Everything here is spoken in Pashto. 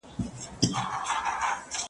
مست لکه رباب سمه، بنګ سمه، شراب سمه ,